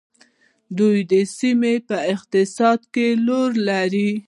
دوی د سیمې په اقتصاد کې رول لري.